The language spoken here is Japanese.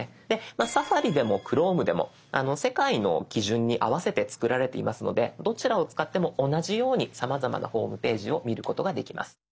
「Ｓａｆａｒｉ」でも「Ｃｈｒｏｍｅ」でも世界の基準に合わせて作られていますのでどちらを使っても同じようにさまざまなホームページを見ることができます。